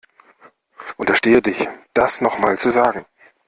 Unterstehe dich das nochmal zu sagen.